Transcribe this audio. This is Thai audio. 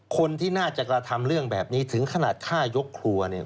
คนที่น่าจะกระทำเรื่องแบบนี้ถึงขนาดฆ่ายกครัวเนี่ย